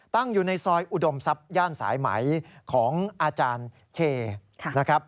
ตั้งอยู่ในซอยอุดมทรัพย์ย่านสายไหมของอาจารย์เคย์